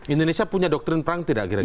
indonesia punya doktrin perang tidak kira kira